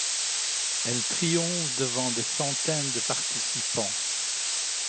Elle triomphe devant des centaines de participants.